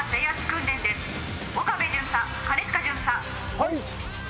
はい！